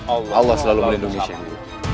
allah selalu melindungi syahid